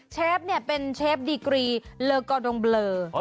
เชฟเป็นเชฟดีกรีเลอร์กาโดงเบลอ